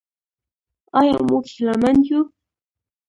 آیا موږ هیله مند یو؟